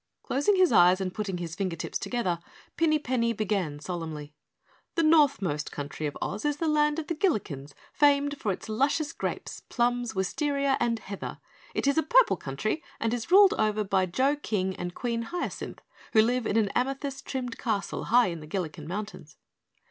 Closing his eyes and putting his finger tips together, Pinny Penny began solemnly: "The Northern most country of Oz is the Land of the Gillikens, famed for its luscious grapes, plums, wisteria, and heather. It is a purple country and is ruled over by Joe King and Queen Hyacinth, who live in an amethyst trimmed castle high in the Gilliken Mountains.